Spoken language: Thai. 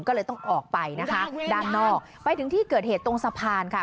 ก็เลยต้องออกไปนะคะด้านนอกไปถึงที่เกิดเหตุตรงสะพานค่ะ